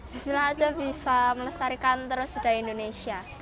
disinilah aja bisa melestarikan terus budaya indonesia